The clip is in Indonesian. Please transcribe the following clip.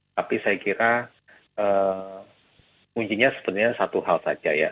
tapi saya kira kuncinya sebenarnya satu hal saja ya